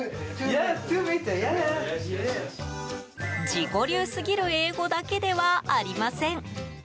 自己流すぎる英語だけではありません。